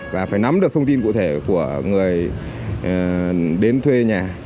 và phải nắm được thông tin cụ thể của người đến thuê nhà